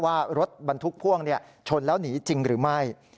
ว่ารถบรรทุกพ่วงชนแล้วหนีจริงหรือไม่